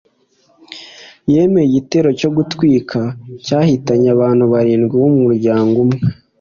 yemeye igitero cyo gutwika cyahitanye abantu barindwi bo mu muryango umwe